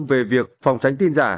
về việc phòng tránh tin giả